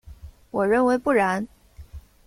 我认为不然。